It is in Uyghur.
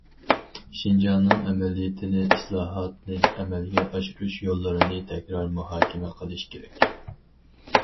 شىنجاڭنىڭ ئەمەلىيىتىنى، ئىسلاھاتنى ئەمەلگە ئاشۇرۇش يوللىرىنى تەكرار مۇھاكىمە قىلىش كېرەك.